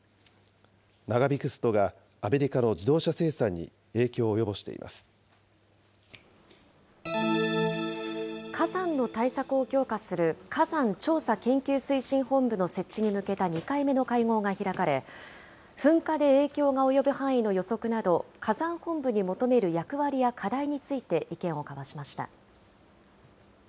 長引くストがアメリカの自動車生火山の対策を強化する火山調査研究推進本部の設置に向けた２回目の会合が開かれ、噴火で影響が及ぶ範囲の予測など、火山本部に求める役割や課題について意見を交わしました。